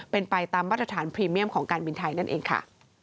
เป็นไปตามมาตรฐานพรีเมียมของการบินไทยนั่นเองค่ะ